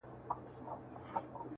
په دې خبر موږ ډېر خوشحاله سوو.